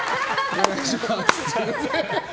お願いします。